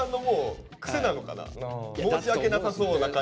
申し訳なさそうな感じ。